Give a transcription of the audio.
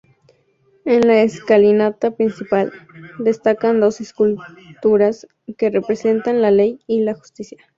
En la escalinata principal, destacan dos esculturas que representan la ley y la justicia.